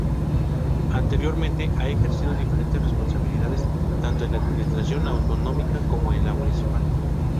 Anteriormente, ha ejercido diferentes responsabilidades tanto en la Administración autonómica como en la municipal.